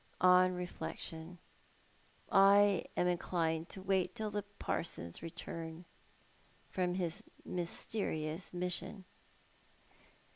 On reflection I am inclined to wait till the parson's return from his mysterious mission."